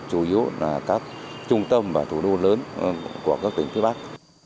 chủ yếu là các trung tâm và thủ đô lớn của các tỉnh phía bắc